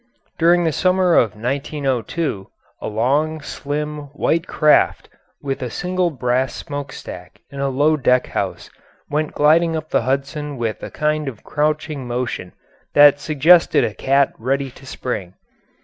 During the summer of 1902 a long, slim, white craft, with a single brass smokestack and a low deck house, went gliding up the Hudson with a kind of crouching motion that suggested a cat ready to spring.